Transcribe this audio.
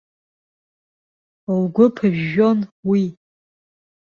Лгәы ԥыжәжәон уи.